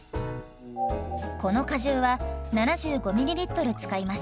この果汁は７５ｍｌ使います。